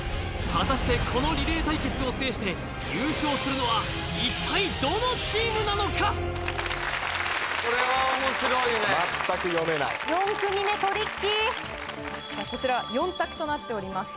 果たしてこのリレー対決を制して優勝するのは一体どのチームなのかさあこちら４択となっております